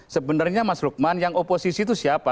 sebenarnya mas lukman yang oposisi itu siapa